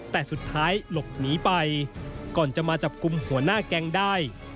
แต่สุดท้ายหลบหนีไปก่อนจะมาจับกลุ่มหัวหน้าแก๊งได้